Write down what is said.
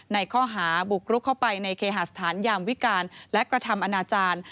ในข้อหาบุกรุกเข้าไปในเคหาสถานยามวิการและกระทำอนาจารย์